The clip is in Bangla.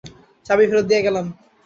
চাবি ফেরত দিয়ে গেলাম।